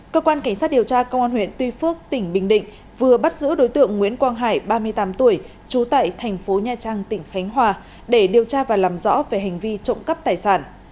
cơ quan cảnh sát điều tra công an huyện tuy phước tỉnh bình định vừa bắt giữ đối tượng nguyễn quang hải ba mươi tám tuổi trú tại thành phố nha trang tỉnh khánh hòa để điều tra và làm rõ về hành vi trộm cắp tài sản